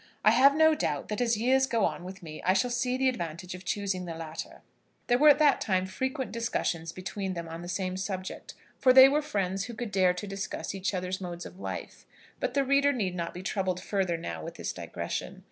I have no doubt that as years go on with me I shall see the advantage of choosing the latter." There were at that time frequent discussions between them on the same subject, for they were friends who could dare to discuss each other's modes of life; but the reader need not be troubled further now with this digression.